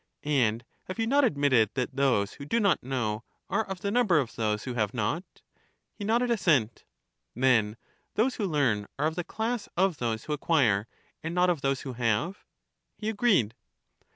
And have you not admitted that those who do not know are of the number of those who have not? He nodded assent. Then those who learn are of the class of those who acquire, and not of those who have? He agreed.